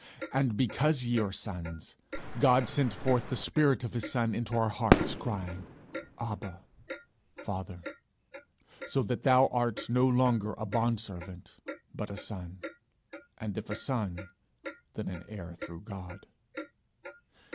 And because ye are sons, God sent forth the Spirit of his Son into our hearts, crying, Abba, Father. So that thou art no longer a bondservant, but a son; and if a son, then an heir through God.'